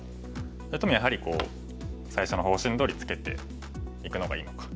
それともやはり最初の方針どおりツケていくのがいいのか。